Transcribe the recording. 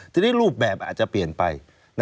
ทีนี้รูปแบบอาจจะเปลี่ยนไป